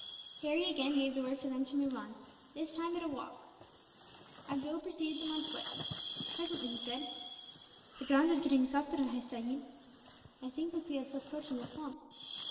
Harry again gave the word for them to move on, this time at a walk. Abdool preceded them on foot. Presently he said: "The ground is getting softer, sahib. I think that we are approaching a swamp."